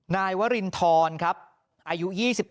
นายวรินทรครับอายุ๒๑